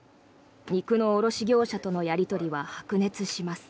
肉の卸業者とのやり取りは白熱します。